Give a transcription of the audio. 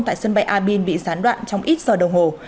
tại sân bay abin bị gián đoạn trong ít giờ đồng hồ